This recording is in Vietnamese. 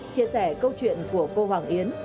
chia sẻ câu chuyện của cô hoàng yến